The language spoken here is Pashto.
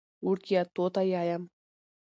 وړکیه! توته یایم.